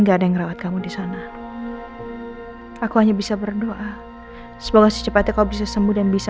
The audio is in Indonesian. enggak ada yang rawat kamu di sana aku hanya bisa berdoa semoga secepatnya kau bisa sembuh dan bisa